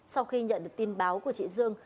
sau khi nhận được tin báo của chị dương